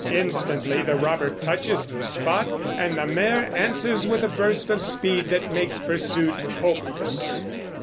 Instantly the robber touches the spot, and the mare answers with a burst of speed that makes pursuit hopeless.